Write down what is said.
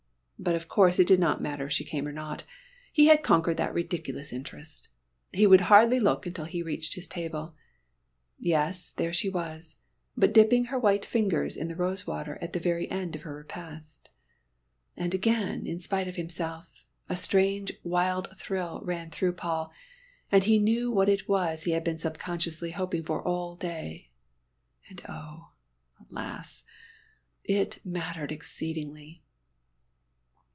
But of course it did not matter if she came or not, he had conquered that ridiculous interest. He would hardly look until he reached his table. Yes, there she was, but dipping her white fingers in the rosewater at the very end of her repast. And again, in spite of himself, a strange wild thrill ran through Paul, and he knew it was what he had been subconsciously hoping for all day and oh, alas! it mattered exceedingly.